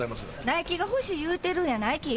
ナイキが欲しい言うてるんやないき。